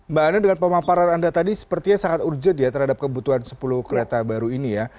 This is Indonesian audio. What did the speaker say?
mbak ana dengan pemaparan anda tadi sepertinya sangat urgent ya terhadap kebutuhan sepuluh kereta baru ini ya